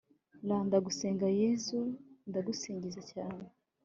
r/ ndagusenga yezu, ndagusingiza cyane